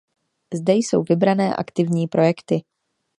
Zde jsou vybrané aktivní projekty.